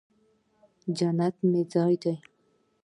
جنت مې ځای دې